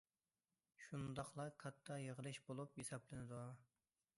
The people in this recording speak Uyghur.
شۇنداقلا كاتتا يىغىلىش بولۇپ ھېسابلىنىدۇ.